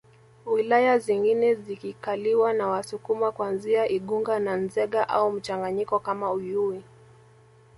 wilaya zingine zikikaliwa na Wasukuma kuanzia Igunga na Nzega au mchanganyiko kama Uyui